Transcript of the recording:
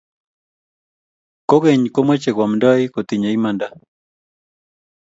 kogeny komeche koamtoi kotinyei imanda